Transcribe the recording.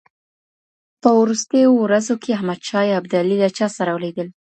په وروستیو ورځو کي احمد شاه ابدالي له چا سره لیدل؟